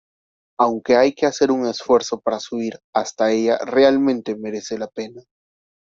Aunque hay que hacer un esfuerzo para subir hasta ella realmente merece la pena.